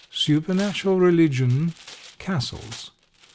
Supernatural Religion, Cassels.